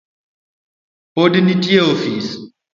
Pod entie e ofis?